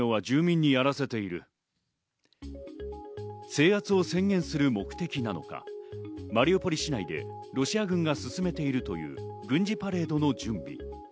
制圧を宣言する目的なのか、マリウポリ市内でロシア軍が進めているという軍事パレードの準備。